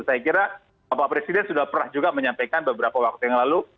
saya kira bapak presiden sudah pernah juga menyampaikan beberapa waktu yang lalu